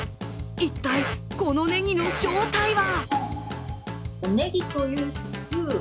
一体このネギの正体は？